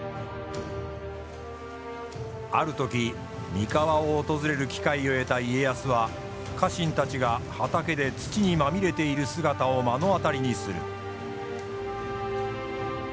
ある時三河を訪れる機会を得た家康は家臣たちが畑で土にまみれている姿を目の当たりにする。